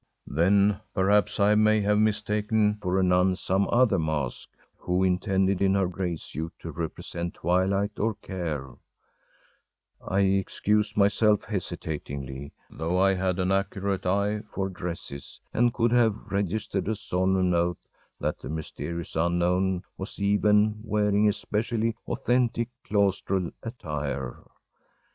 ‚ÄĚ “Then perhaps I may have mistaken for a nun some other mask, who intended in her gray suit to represent Twilight or Care,‚ÄĚ I excused myself hesitatingly, though I had an accurate eye for dresses, and could have registered a solemn oath that the mysterious unknown was even wearing especially authentic claustral attire.